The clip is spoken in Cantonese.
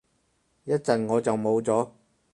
一陣我就冇咗